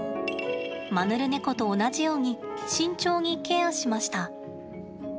マヌルネコと同じように慎重にケアしました。